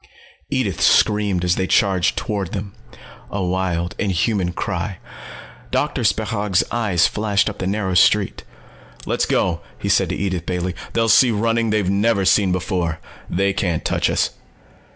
Edith screamed as they charged toward them. A wild, inhuman cry. Doctor Spechaug's eyes flashed up the narrow street. "Let's go!" he said to Edith Bailey. "They'll see running they've never seen before. They can't touch us."